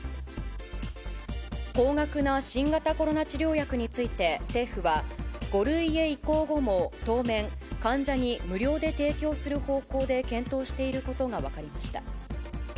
高額な新型コロナ治療薬について、政府は、５類へ移行後も当面、患者に無料で提供する方向で検討していることが分かりました。